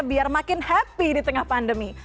biar makin happy di tengah pandemi